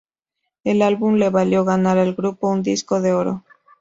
El álbum le valió ganar al grupo un disco de oro.